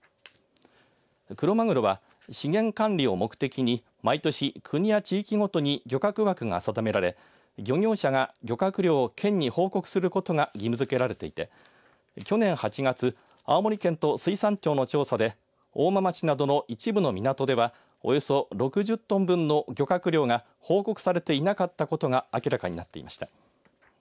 クロマグロは資源管理を目的に毎年、国や地域ごとに漁獲枠が定められ漁業者が漁獲量を県に報告することが義務づけられていて去年８月青森県と水産庁の調査で大間町などの一部の港ではおよそ６０トン分の漁獲量が報告されていなかったことが明らかになっていました。